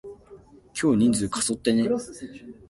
今日人数過疎ってね？